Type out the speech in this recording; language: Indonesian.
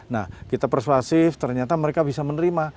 nah kita persuasif ternyata mereka bisa menerima